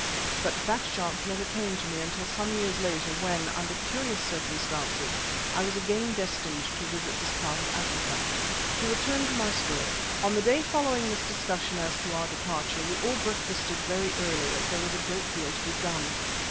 But that chance never came to me until some years later when, under curious circumstances, I was again destined to visit this part of Africa. To return to my story. On the day following this discussion as to our departure we all breakfasted very early as there was a great deal to be done.